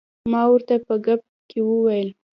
ما ورته په ګپ کې وویل.